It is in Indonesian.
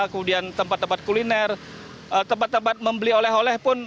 kemudian tempat tempat kuliner tempat tempat membeli oleh oleh pun